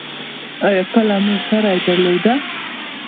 ایا کله مو شری درلوده؟